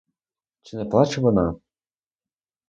Чи не плаче вона?